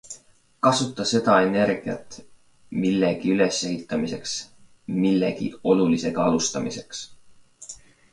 Kasuta seda energiat millegi ülesehitamiseks, millegi olulisega alustamiseks.